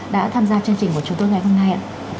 đã tham gia chương trình của chúng tôi ngày hôm nay